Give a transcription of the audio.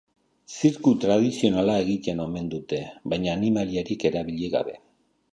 Zirku tradizionala egiten omen dute, baina animaliarik erabili gabe.